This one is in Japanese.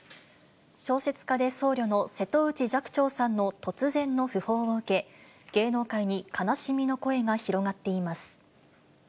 小説家で僧侶の瀬戸内寂聴さんの突然の訃報を受け、芸能界に悲しみの声が広がっています。